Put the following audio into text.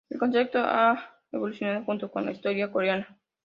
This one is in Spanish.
El concepto "Han" ha evolucionado junto con la historia de Corea.